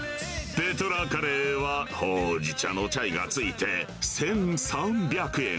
ペトラカレーは、ほうじ茶のチャイがついて１３００円。